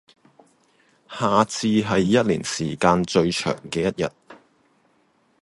夏至係一年日照時間最長嘅一日